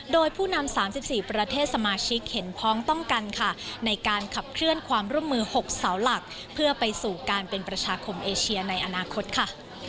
โดยผู้นำ๓๔ประเทศสมาชิกเห็นพ้องต้องกันค่ะในการขับเคลื่อนความร่วมมือ๖เสาหลักเพื่อไปสู่การเป็นประชาคมเอเชียในอนาคตค่ะ